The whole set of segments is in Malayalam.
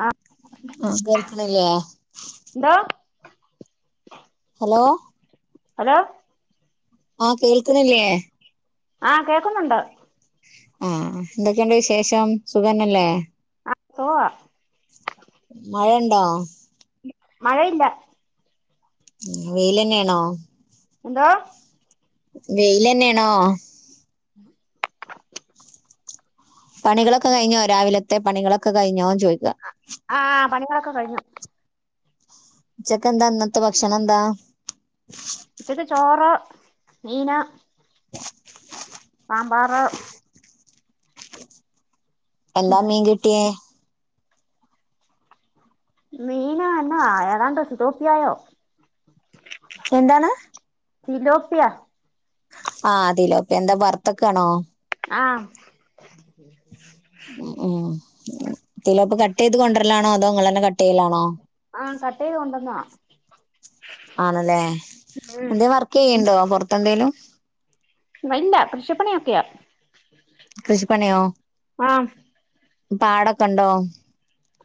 ആ ആ കേൾക്ക്ണില്ലേ? എന്തോ ഹലോ ഹലോ ആ കേൾക്ക്ണില്ലേ? ആഹ് കേക്കുന്നുണ്ട് ആഹ് എന്തൊക്കെയണ്ട് വിശേഷം സുഖന്നല്ലേ? ആ സുഖവാ മഴണ്ടോ? മഴയില്ല വെയ്ലെന്നേണോ? എന്തോ? വെയ്ലെന്നേണോ? പണികളൊക്കെ കഴിഞ്ഞോ രാവിലത്തെ പണികളൊക്കെ കഴിഞ്ഞോ? ആഹ് പണികളൊക്കെ കഴിഞ്ഞു ഉച്ചക്കെന്താ ഇന്നത്തെ ഭക്ഷണെന്താ? ച്ചക്ക് ചോറ് മീന് സാമ്പാറ് എന്താ മീൻ കിട്ടിയേ? മീനന്നാ ഏതാണ്ട്‌ സിലോപ്പിയായോ എന്താണ്? സിലോപിയ ആഹ് തിലോപ്യ എന്താ വർത്തക്കാണോ? ആ ഉം തിലോപ്പി കട്ട് ചൈത് കൊണ്ടുവരലാണോ അതോ നിങ്ങൾ ന്നെ കട്ടചെയ്യലാണോ ആ കട്ട് ചെയ്ത് കൊണ്ടുവന്നതാ ആണല്ലേ ഉം എന്തേ വർക്ക് ചെയ്യണ്ടോ പൊറത്തെ എന്തേലും ഇല്ല കൃഷിപ്പണിയൊക്കെയാ കൃഷിപ്പണിയോ ആ പാടൊക്കെ ഉണ്ടോ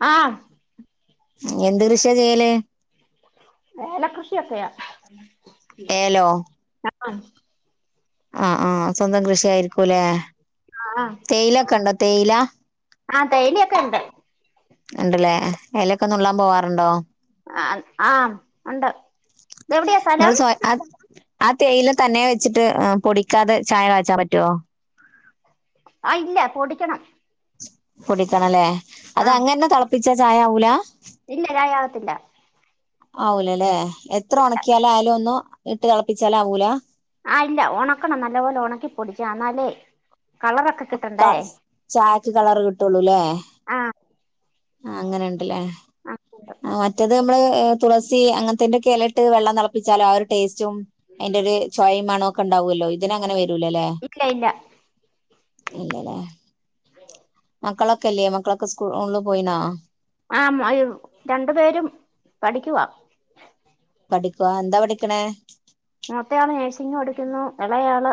ആ എന്ത് കൃഷിയാ ചെയ്യല് ഏല കൃഷിയൊക്കെയ ആ ഏലോ ക്കെ ആയിരിക്കും ല്ലേ ആ തേയില ഒക്കെ ഉണ്ടോ തേയിലാ ആ തേയിലയൊക്കെ ണ്ട് ഉണ്ട്ല്ലേ എലൊക്കെനുള്ളാൻ പോവാറുണ്ടോ ആ ആ ഉണ്ട് ഇത് എവിടെയാ നിങ്ങൾ സ്ഥലം സ്വ അത് ആ തേയില് തന്നെ വെച്ചിട്ട് പൊടിക്കാതെ ചായ കാച്ചാൻ പറ്റുവോ ആ ഇല്ല പൊടിക്കണം പൊടിക്കണംല്ലേ അത് ആ അങ്ങനെ തിളപ്പിച്ചാ ചായവൂല ഇല്ല ചായാകത്തില്ല ആവൂലല്ലേ എത്ര ഉണക്കിയാല ആയാലും ഒന്നും ഇട്ട് തിളപ്പിച്ചാല ആവൂല ആ ഇല്ല ഉണക്കണം നല്ല പോലെ ഉണക്കിപ്പൊടിച്ച എന്നാലേ കളറൊക്കെ കിട്ടണ്ടേ ചായക്ക് കളർ കിട്ടുള്ളൂല്ലേ ആ ആ അങ്ങനെുണ്ടല്ലേ ആ ആ മറ്റത് നമ്മള് തുളസി അങ്ങത്തെന്റെ ഒക്കെ ഇല ഇട്ട് വെള്ളം തിളപ്പിച്ചാലോ ആ ഒരു ടേസ്റ്റ് ച്ചും അതിന്റെ ഒരു ചോവേം മണമൊക്കെ ഉണ്ടാവുമല്ലോ ഇതിനങ്ങനെ വരും ഇല്ല ഇല്ല ഇല്ലല്ലേ മക്കളൊക്കെല്ലേ മക്കളൊക്കെ സ്കൂളിൽ പോയിനോ ആ രണ്ടു പേരും പഠിക്കുവാ പഠിക്കവാ എന്താ പഠിക്കണേ മൂത്ത ആള് നഴ്സിംഗ് പഠിക്കുന്നു ഇളയാള്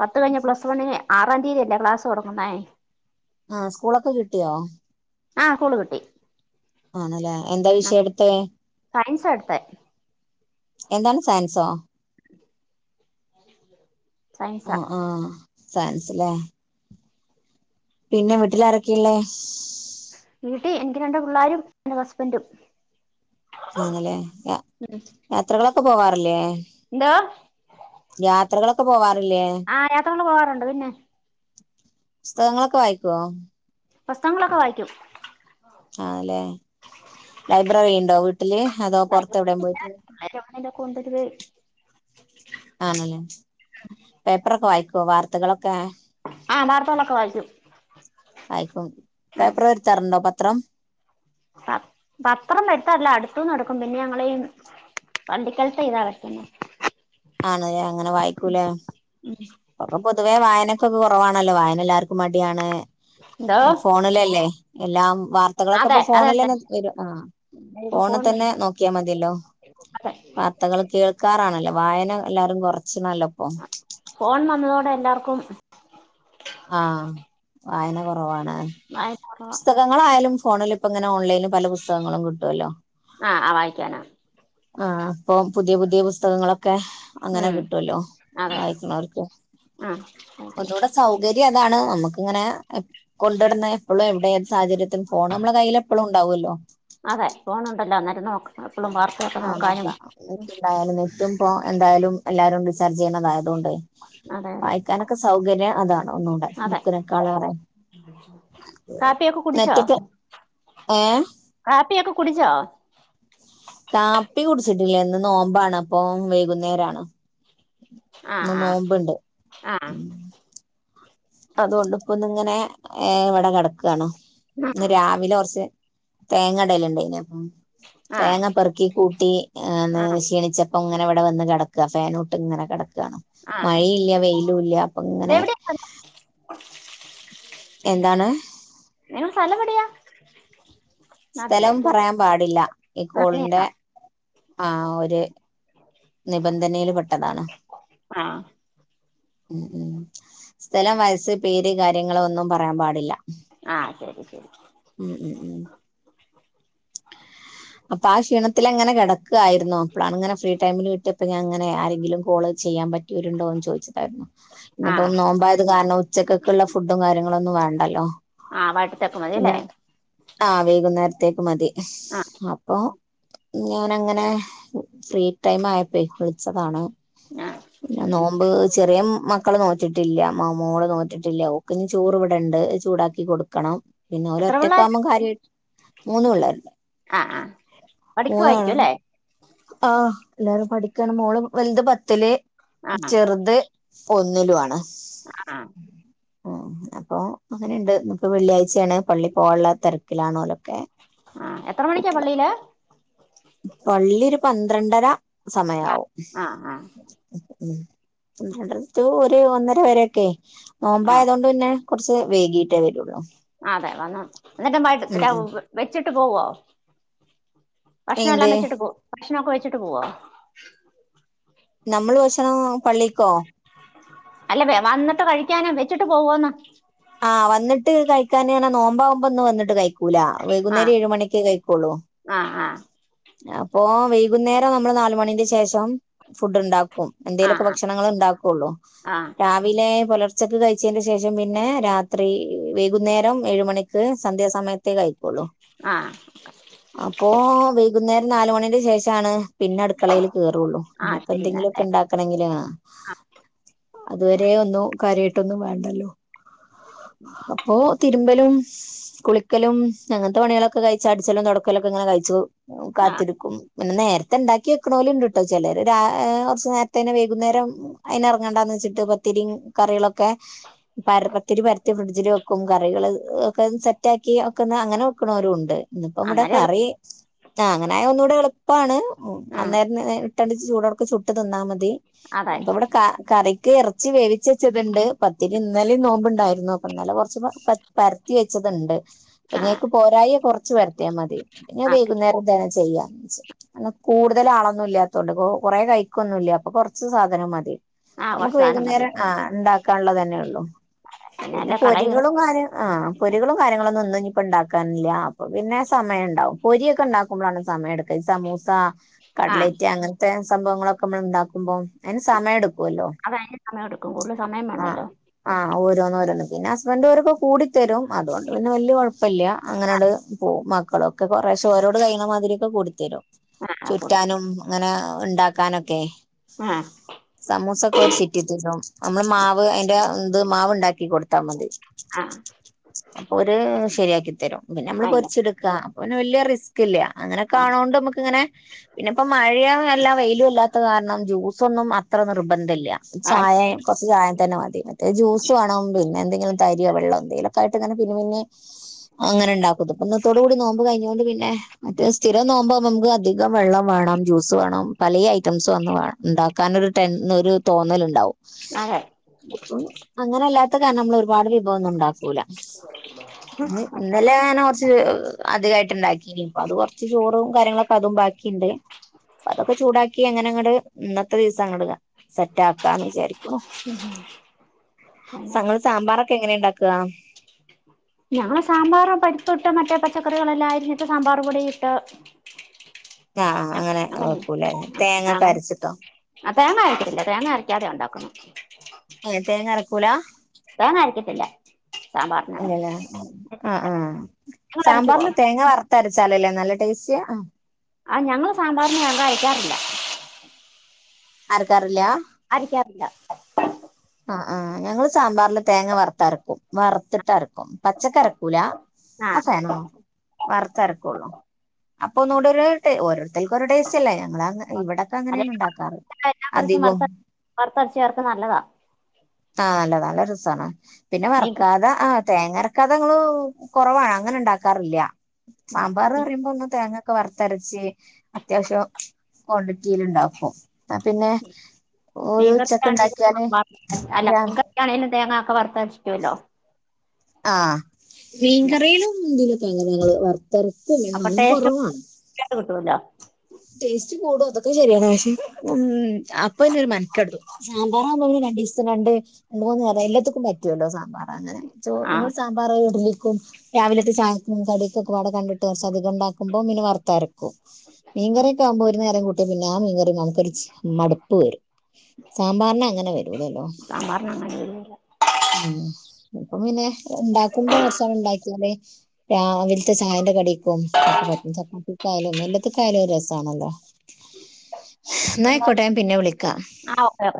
പത്ത് കഴിഞ്ഞ പ്ലസ് വണ്ണിന് ആ ഒന്നാം തീയതിയല്ലേ ക്ലാസ് തുടങ്ങുന്നേ ആ സ്കൂളൊക്കെ കിട്ടിയോ ആ സ്കൂള് കിട്ടി ആണല്ലേ എന്താ വിഷയം എടുത്തെ സയൻസ് എന്താണ് സയൻസോ സയൻസാ ആ ആ സയൻസ് ഇല്ലെ പിന്നെ വീട്ടില് ആരൊക്കെയാ ഉള്ളെത് വീട്ടിൽ എനിക്ക് രണ്ട് പിള്ളേരും എന്റെ ഹസ്ബൻഡും ആണല്ലേ ഉം യാത്രകളൊക്കെ പോവാറില്ലേ എന്തോ യാത്രകളൊക്ക ആ യാത്രകൾ പോകാറുണ്ട് പിന്നെ പുസ്തകങ്ങളൊക്കെ വായിക്കുവോ പുസ്തകങ്ങളൊക്കെ വായിക്കും ആ ല്ലെ ലൈബ്രറി ഉണ്ടോ വീട്ടില് അതോ പൊറത്തെ എവിടെയും പോയിട്ട് എന്താ കൊണ്ടൊരുവേ [unintelligible] ആണല്ലേ പേപ്പറൊക്കെ വായിക്കുവോ വാർത്തകളൊക്കെ ആ വാർത്തകളൊക്കെ ക്കെ വായിക്കും വായിക്കും പേപ്പർ വരുത്താറുണ്ടോ പ പത്രം പ പത്രം എടുത്തല്ല അടുത്തുന്ന് എടുക്കും പിന്നെ ഞങ്ങളീ വണ്ടി [unintelligible] ഈ ഞായറാഴ്ച എന്നെ ആണല്ലേ അങ്ങനെ വായിക്കൂലേ ഇപ്പോ ഒക്കെ പൊതുവേ വായന ക്കെ കുറവാണല്ലോ വായന എല്ലാർക്കും മടിയാണ് എന്തോ ഫോണിലല്ലേ എല്ലാം വാർത്തകളൊക്കെ അതെ ഇപ്പൊ അതെ ഫോണിൽ അതെ തന്നെ വരും ആ ഇപ്പൊ ഫോണിൽ ഫോൺ വഴി തന്നെ നോക്കിയാൽ മതിയല്ലോ അതെ വാർത്തകൾ കേൾ ക്കാറാണല്ലോ വായന എല്ലാരും കുറച്ച് ണല്ലോപ്പൊ എല്ലാവർക്കും ആ വായന കുറവാണ് വായന കുറവാ പുസ്തകങ്ങളായാലും ഫോണില് അങ്ങനെ ഓൺലൈന് പല പുസ്തകങ്ങളും കിട്ടുവല്ലോ ആ ആ വായിക്കാനാ ആ അപ്പം പുതിയ പുതിയ പുസ്തകങ്ങളൊക്കെ ക്കെ അങ്ങനെ ഉം കിട്ടുമല്ലോ അതെ വായിക്കുന്നവർക്ക് ആ ഓക്കെ ഒന്നുകൂടെ സൗകര്യം അ താണ് നമുക്ക ഇങ്ങനെ കൊണ്ടുവടുന്ന എപ്പോഴും എവിടെ സാഹചര്യത്തിൽ പോണം നമ്മള കയ്യിൽ എപ്പോഴും ഉണ്ടാവുമല്ലോ അതെ ഫോണ ഉണ്ടല്ലോ അന്നേരം നോക്ക എപ്പളും വാർത്തയൊക്കെ ആ നോക്കാനും നോക്കാം ന എന്തായാലും നെറ്റും ഇ എന്തായാലും എല്ലാരും റീചാർജ് ചെയ്യണതായതകൊണ്ട് അതെ അതെ വായിക്കാനൊക്കെ സൗകര്യം അതാ ഒന്നൂടെ അതെ ബുക്കിനേക്കാളേറെ കാപ്പിയൊക്കെ കുടിച്ചോ നെറ്റൊക്കെ ഏഹ് കാപ്പിയൊക്കെ കുടിച്ചോ കാപ്പി കുടിച്ചിട്ടില്ല ന്ന് നോമ്പാണപ്പൊ വൈകുന്നേരാണ്‌ ആ ന്ന്‌ ആ നോമ്പ്ണ്ട് ആ അതുകൊണ്ട് പ്പൊന്ന്ങ്ങനെ ഏ ഇവടെ കെടക്കാണ്‌ ഇന്ന് രാവിലൊറച്ച് തേങ്ങടല്ണ്ട്ന്ന്‌ ആ തേങ്ങ ആ പെറുക്കി കൂട്ടി ആന്ന്‌ ആ ക്ഷീണിച്ച പ്പൊങ്ങനെവെടെ വന്ന് കെടക്കാ ഫാനൂട്ട് ങ്ങനെ കെടക്ക ക്കാണ് ആ മഴീല്ല വെയിലുല്ല അപ്പൊങ്ങനെ ങ്ങളെ സ്ഥലവെടിയാ? സ്ഥലം പറയാൻ പാടില്ല ഈ കോളിന്റെ അങ്ങനെയാണോ ആ ഒരു നിബന്ധനയിൽ പെട്ടതാണ് ആഹ് ഉം ഉം സ്ഥലം വയസ് പേര് കാര്യങ്ങള് ഒന്നും പറയാൻ പാടില്ല ആഹ് ശെരി ശെരി ഉം ഉം ഉം അപ്പൊ ആ ക്ഷീണത്തിലങ്ങനെ കറടക്കായിരുന്നു. അപ്ലാണ്ങ്ങനെ ഫ്രീ ടൈമിൽ വിട്ട്പ്പ ഞാൻ അങ്ങനെ ആരെങ്കിലും കോള് ചെയ്യ യ്യാൻ പറ്റ്യോല് ഇണ്ടോന്ന് ചോയ്ച്ച് ായിന്നു. ആ ഇന്നിപ്പൊ നോമ്പായത് കാരണം ഉച്ചക്കൊക്കെ ഇള്ള ഫുഡും കാര്യങ്ങള് ഒന്നും വാണ്ടല്ലോ ആഹ് വാട്ടുത്തെപ്പ് മതീല്ലേ ആഹ് വൈകുന്നേരത്തേക്ക് മതി അപ്പൊ ഞൻ അങ്ങനെ ഫ്രീ ടൈം ആയെപ്പെ വിളിച്ചതാണ് ആ പിന്ന നോമ്പ് ചെറിയ മക്കള് നോറ്റിട്ടില്ല മാമ്മോള് നോറ്റിട്ടില്ല ഓക്ക്ഞ് ചോറ് ഇവിടെണ്ട് അഹ് ചൂടാക്കി കൊടുക്കണം പിന്നെ ഓല് എത്ര പിള്ളേരാ ഒറ്റക്കാകുമ്പം കാര്യായിട്ട് മൂന്നു പിള്ളേര്ണ്ട് ആഹ് ആഹ് പഠിക്ക്യോയിരിക്കും ല്ലേ ആഹ് എല്ലാരും പഠിക്കാണ് മോള് വെൽത് പത്തില്ല് ആ ചെറ്ത് ഒന്നിലു ആണ് ആഹ് ഉം അപ്പൊ അങ്ങനെണ്ട്. ഇന്ന്പ്പോ വെള്ളിയാഴ്ചേണ് പള്ളി പോഹാൻള്ള തെരക്കിലാണോലോ ആഹ് എത്ര മണിക്കാ പള്ളിയില് പള്ളി ഒരു പന്ത്രണ്ടര സമയാവും ആ ഉം രണ്ടരത്തെ ഒരു ഒന്നര വരെ ഒക്കെ നോമ്പാ ആ ആയതൊണ്ട് പിന്നെ കൊറച്ച് വേകീട്ടേ വെരൊള്ളൂ ആഹ് അതെ വന്ന് ഇന്നിട്ട് [unintelligible] [unintelligible] ഉം വൈകിട്ട് വെച്ചിട്ട് പോവോ ഭക്ഷണം എന്ത് എല്ലാം വെച്ചിട്ട് പോ ഭക്ഷണൊക്കെ വെച്ചിട്ട് പോവോ നമ്മള് ഭക്ഷണം പള്ളിക്കോ അല്ല വന്നിട്ട് കഴിക്ക്യാനോ വെച്ചിട്ട് പോവോന്ന് ആഹ് വന്നിട്ട് കഴിക്കാനിങ്ങനെ നോമ്പാകുമ്പോ ഇന്ന് വന്നിട്ട് കഴി ക്കൂലാ ആ വൈകുന്നേരം ഏഴ് മണിക്കേ കഴിക്കോളു ആ ആ അപ്പോ വൈകുന്നേരം നമ്മള് നാലുമണിന്റെ ശേഷം ഫുഡ് ഇണ്ടാ ക്കും ആ എന്തെലുവൊക്കെ ഭക്ഷണങ്ങള് ഉണ്ടാക്കുള്ളു ആ രാവിലെ പുലർച്ചക്ക് കഴിച്ചേന്റെ ശേഷം പിന്നെ രാത്രി വൈകുന്നേരം ഏഴു മണിക്ക് സന്ധ്യാസമയത്തേ കഴി ക്കുളു ആ അപ്പോ വൈകുന്നേരം നാലുമണിന്റെ ശേഷാണ് പിന്നെ അടുക്കളേൽ കേറുള്ളൂ ആ ഇനിപ്പം ശരി എന്തെങ്കിലുവൊക്കെ എന്നാലേ ഇണ്ടാക്കണെങ്കില് ആഹ്‌ അതുവരെ ഒന്നും കാര്യവായിട്ടൊന്നും വേണ്ടല്ലോ അപ്പോ തിരുമ്പലും കുളിക്കലും അങ്ങനത്തെ പണികളൊക്കെ കഴിച്ചു അടിച്ചലും തൊടക്കലൊക്കെ ഇങ്ങനെ കഴിച്ചു ആ കാത്തിരിക്കും പിന്നെ നേരത്തെ ഇണ്ടാക്കി വെക്കാണോലും ഇണ്ട് ട്ടോ ചെലര് രാ കൊറച്ച് നേരത്തെനെ വൈകുന്നേരം അയിന് ഇറങ്ങണ്ടന്ന് ച്ചിട്ട് പത്തിരിം കറികളൊക്കെ പര പത്തിരി പരത്തി ഫ്രിഡ്ജില് വെക്കും കറികള് ഒക്കെ സെറ്റാക്കി വെക്കുന്ന അങ്ങനെ വെക്കണോരും ഉണ്ട് ഇന്നിപ്പോ ഇവ്ടെ അന്നേരം എളുപ്പം കറി ആഹ് അങ്ങനായ ഒന്നുകൂടെ എളുപ്പാണ് ഉം അന്നേരം ഇട്ടണ്ട ചൂടോടെക്കെ ചുട്ട് തിന്നാ മതി അതെ ഇപ്പോ ഇവിടെ കാ കറി ക്ക് എറച്ചി വേവിച്ച് വെച്ച്ണ്ടണ്ട് പത്തിരി ഇന്നലേം നോമ്പുണ്ടാരുന്നു അപ്പോ ഇന്നലെ കൊറച്ചു പ പരത്തി വെച്ചതുണ്ട് ആ പ്പിന്നേക്ക് പോരായ കൊറ് ച്ച് പരത്തിയാ മതി പിന്നേ ആ വൈകുന്നേരം ചെയ്യാ ച്ച് കാരണം കൂടുതല് ആളൊന്നും ഇല്ലാത്തോണ്ട് കൊറേ കഴിക്കൊന്നും ഇല്ല്യ അപ്പോ കൊറച്ച് സാധനം മതി ആ നമുക്ക് കുറച്ച് സാധനം മതി വൈകുന്നേരം ആഹ് ഇണ്ടാക്കാന്ള്ളത് തന്നെ ള്ളു പിന്നെ അല്ല കളയും പൊരികളും കാര്യ ആഹ് പൊരികളും കാര്യങ്ങളൊന്നും ഒന്നും ഇന്നിപ്പ ഇണ്ടാക്കാനില്ല അപ്പോ പിന്നെ സമയം ഇണ്ടാവും പൊരിയെക്കെ ഇണ്ടാക്കുമ്പോഴാണ് സമയെടുക്കാ സമൂസ ആ കട്‌ലെറ്റ് അങ്ങൻത്തെ സംഭവങ്ങളൊക്കെ മ്മള് ഒണ്ടാക്കുമ്പോ അയിന് സമയം എടുക്കും അത് അയിന് സമയം എടുക്കും കൂടുതൽ സമയം വേണല്ലോ ആഹ് ഓരോന്ന് ഓരോന്ന് പിന്നെ ഹസ്ബൻഡ് ഓരൊക്കെ കൂടിത്തരും അതുകൊണ്ട് പിന്നെ വല്ല്യ കൊഴ പ്പല്ല്യ അങ്ങനാണ്ട് പോവും മക്കളൊക്കെ കൊറേശ്ശെ ഓരോട് കഴിയ്ണമാതിരിയൊക്കെ കൂടിത്തെരും. ആ കൊടു ചുറ്റാനും അങ്ങനെ ഇണ്ടാക്കാനൊക്കേ ആ സമൂസ ഒക്കെ ഓര് ചിറ്റിത്തെരും അമ്മള് മാവ് അയ്ൻ്റെ ഇത് മാവ് ഇണ്ടാ ക്കി കൊടുത്താ മതി. ആ അപ്പൊ ഓര് ശരിയാക്കി തരും. പിന്നെ അമ്മള് അയിന് പൊരിച്ച്ട്ക്കാ അപ്പൊന്നെ വല്ല്യ റി സ്‌ക്കില്ല്യ. ആ അങ്ങനെക്കാണോണ്ട് നമുക്ക് ഇങ്ങനെ പിന്നെ ഇപ്പ മഴയാ അല്ലാ വെയിലും അല്ലാത്ത കാരണം ജ്യൂസൊന്നും അത്ര നിർബന്ധല്ല്യ ആ ചായേ കൊറച്ച് ചായ തന്നെ മ തി. മറ്റേ ജ്യൂസ് വാണം പിന്നെ എന്ത ങ്ങിലും തരിയോ വെള്ളോ എന്തേലൊക്കെ ആയിട്ട്ങ്ങനെ പിന്നിം പിന്നിം അങ്ങനെ ഇണ്ടാക്കും. ഇത്പ്പൊ ഇന്നത്തോടു കൂടി നോമ്പ് കയ്ഞ്ഞോണ്ട് പി ന്നെ മറ്റേ സ്ഥിരം നോമ്പാവുമ്പൊ നമുക്ക് അധികം വെള്ളം വാണം ജ്യൂസ് വാണം പലേ ഐറ്റംസും അന്ന് വേ ഇണ്ടാ ക്കാൻ ഒരു ടെൻ ഒരു തോന്നല് ഇണ്ടാവും. അതെ അങ്ങനെ എല്ലാത്ത കാരണം നമ്മള് ഒരുപാട് തൊന്നും ഉണ്ടാക്കൂല. ഞാ ഇന്നലെ ഞാന് കൊറച്ച് അധികായിട്ട് ഇണ്ടാക്കീന്. അപ്പ അത് കൊറച്ച് ചോറും കാര്യങ്ങളൊക്കെ അതും ബാക്കിയ്ണ്ട്. അതൊക്കെ ചൂടാക്കി അങ്ങനെ അങ്ങ ട്ട് ഇന്നത്തെ ദിവസം അങ്ങട് സെറ്റാക്കാന്ന് വിചാരി ഉഹും സങ്ങൾ സാമ്പാറൊക്കെ എങ്ങനെ ഇണ്ടാക്കാ? ഞങ്ങള് സാമ്പാറ് പരിപ്പിട്ട് മറ്റേ പച്ചക്കറികളെല്ലാം അരിഞ്ഞിട്ട് സാമ്പാർ പൊടിയിട്ട് ആഹ് അ അങ്ങനെ വെക്കൂലേ ആഹ് തേങ്ങൊക്കെ അങ്ങനെ അരച്ചിട്ടോ ആ തേങ്ങ അരക്കത്തില്ല തേങ്ങ അര ക്കാതെ ഉണ്ടാക്കുന്നു ഏഹ് തേങ്ങരക്കൂലാ? തേങ്ങ അരക്കത്തില്ല സാമ്പാറിന് ഇല്ല്യ ലേ ആഹ് ആഹ് നിങ്ങൾ അരക്കുവോ സാമ്പാറിന് തേങ്ങ വറത്തര ച്ചാലല്ലേ നല്ല ടേസ്റ്റ് ആഹ് ആ ഞങ്ങള് സാമ്പാറിന് ഞാൻ അരക്കാറില്ല അരക്കാറില്ല അരക്കാറില്ല ആ ആ ഞങ്ങള് സാമ്പാറില് തേങ്ങ വറുത്തരക്കും വറുത്തിട്ട് അരക്കും പച്ചക്ക്‌ അരക്കൂല ആ ഫാനൊന്ന് നോക്കൂ വറത്ത് അരക്കൂള്ളൂ അപ്പൊ ഒന്നൂടെ ഒരു ഓരോത്തർക്ക് ഒരു ടേസ്റ്റല്ലേ ഞങ്ങൾ അങ്ങ ഇവിടൊക്കെ അതെ അങ്ങനെയാണ് ഉണ്ടാ എല്ലാ കറിക്കും വറുത്ത വറുത്തരച്ച് ചേർക്കുന്നത് നല്ലതാ ആ നല്ലതാ നല്ല രസമാണ് പിന്നെ മീൻ ക- വറക്കാതെ ആ തേങ്ങ അരക്കാതെ ഞങ്ങള് കുറവാണ് അങ്ങനെ ഉണ്ടാക്കാറില്ല ഇല്ല സാമ്പാറെന്ന് മീ- പറയുമ്പോ ഒന്ന് തേങ്ങ ഒക്കെ വറത്തരച്ച് അത്യാവശ്യം ക്വാണ്ടിറ്റിൽ ഉണ്ടാക്കും ആ പിന്നെ ഒരു ഉച്ചക്ക് മീൻകറിക്കാണേലും ഉണ്ടാക്കിയാല് സാമ്പാർ അല്ല മീൻ രാ- കറിക്കാണേലും തേങ്ങ ഒക്കെ വറുത്തരച്ചിടുമല്ലോ ആ മീൻകറിയിലും മുരിങ്ങയില തേങ്ങ ഞങ്ങങ്ങള് വ അപ്പൊ എന്നാലും ടേസ്റ്റ് കുറവാണ് കിട്ടുമല്ലോ ടേസ്റ്റ് കൂടും അതൊക്കെ ശെരിയാണ് പക്ഷെ അപ്പൊന്നെ ഒരു മനെടുത്തു സാമ്പാറാവുമ്പം രണ്ട് ദിവസം രണ്ട് രണ്ട് മൂന്ന് നേരം എല്ലാർക്കും പറ്റുമല്ലോ സാമ്പാറ് അങ്ങനെ ആ ഞങ്ങൾ സാമ്പാറ് ഇഡലി രാവിലത്തെ ചായക്കും കടിക്കൊകെ കണ്ടിട്ട് അധികം ഉണ്ടാക്ക്പോ പിന്നെ വറത്തരക്കും പിന്നാ ആ മീൻ കറി മടുപ്പ് വരും സാമ്പാറിന് അങ്ങനെ വരൂലല്ലോ സാമ്പാറിന് അങ്ങനെ ഒരു ഉം ഇപ്പം പിന്നെ ഉണ്ടാക്കുമ്പോ കുറച്ചാള് ഉണ്ടാക്കിയാല് രാവിലത്തെ ചായെൻ്റെ കടിക്കും ഒക്കെ പറ്റും ചപ്പാത്തിക്കായാലും എല്ലാത്തിും കാല രസമാണല്ലോ എന്ന ഇതില്ല ആയിക്കോട്ടെ പിന്നെ വിളിക്കാം ആ ഓക്കെ ഓക്കെ